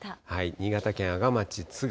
新潟県阿賀町津川